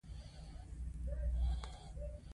لوستل ګټور او په زړه پوري دي.